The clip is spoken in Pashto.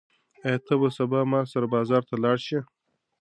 ایا ته به سبا ما سره بازار ته لاړ شې؟